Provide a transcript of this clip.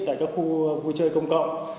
tại các khu vui chơi công cộng